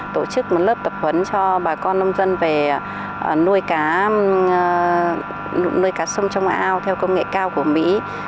tổ chức một lớp tập huấn cho bà con nông dân về nuôi cá sông trong áo theo công nghệ cao của mỹ